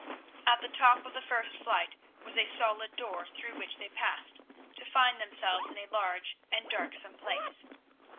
At the top of the first flight was a solid door through which they passed, to find themselves in a large and darksome place.